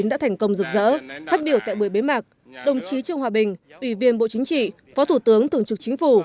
dự lễ bế mặc có đồng chí trương hòa bình ủy viên bộ chính trị phó thủ tướng thường trực chính phủ